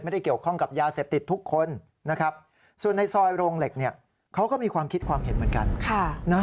ไม่ได้เกี่ยวข้องกับยาเสพติดทุกคนนะครับส่วนในซอยโรงเหล็กเขาก็มีความคิดความเห็นเหมือนกัน